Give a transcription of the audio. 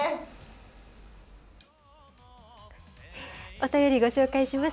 お便りご紹介します。